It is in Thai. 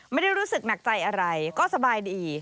ไม่ได้รู้สึกหนักใจอะไรก็สบายดี